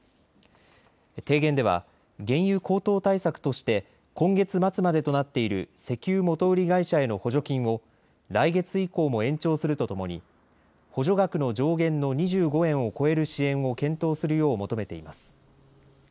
提言では原油高騰対策として今月末までとなっている石油元売り会社への補助金を来月以降も延長するとともに補助額の上限の２５円を超える支援を検討するよう求めています。